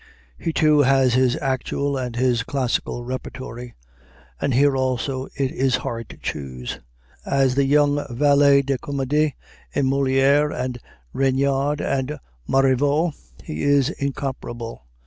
He too has his "actual" and his classical repertory, and here also it is hard to choose. As the young valet de comédie in Molière and Regnard and Marivaux he is incomparable.